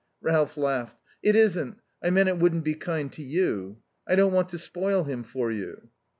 Ralph laughed. "It isn't. I meant it wouldn't be kind to you. I don't want to spoil him for you."